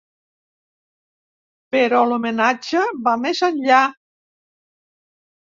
Però l'homenatge va més enllà.